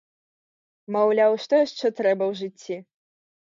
Маўляў, што яшчэ трэба ў жыцці?